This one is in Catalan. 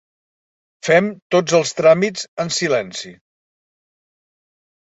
Fem tots els tràmits en silenci.